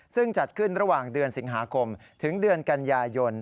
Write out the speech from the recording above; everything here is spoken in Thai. ซึ่งจัดขึ้นระหว่างเดือนสิงหาคมถึงเดือนกันยายน